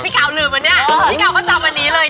อะพี่เก่าลืมอ่ะเนี่ยพี่เก่าค่ะจอบอันนี้เลยเนี่ย